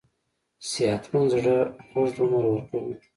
صحتمند زړه اوږد عمر ورکوي.